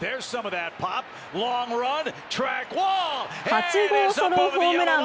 ８号ソロホームラン！